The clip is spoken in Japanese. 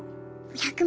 １００万